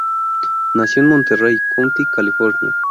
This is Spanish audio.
Nació en Monterey County, California.